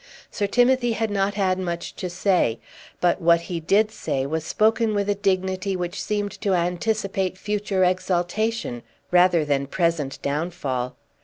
Sir Timothy had not had much to say, but what he did say was spoken with a dignity which seemed to anticipate future exaltation rather than present downfall.